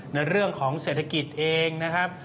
ในเรื่องของเศรษฐกิจเองนะครับ